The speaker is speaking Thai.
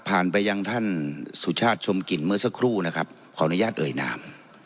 ไปยังท่านสุชาติชมกลิ่นเมื่อสักครู่นะครับขออนุญาตเอ่ยนาม